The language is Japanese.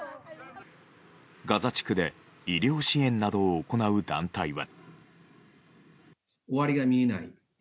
ガザ地区で医療支援などを行う団体は。